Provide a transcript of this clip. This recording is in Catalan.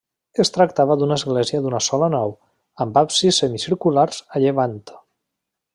Es tractava d'una església d'una sola nau, amb absis semicircular a llevant.